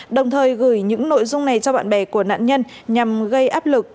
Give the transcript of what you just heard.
đồng thời gửi những nội dung này cho bạn bè của nạn nhân nhằm gây áp lực